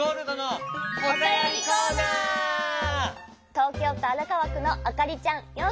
とうきょうとあらかわくのあかりちゃん４さいから。